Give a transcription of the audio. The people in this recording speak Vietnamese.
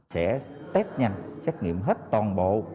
sẽ test nhanh xét nghiệm hết toàn bộ